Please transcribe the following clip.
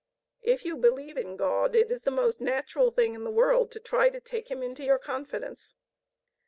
If you believe in God, it is the most natural thing in the world to try to take Him into your confidence.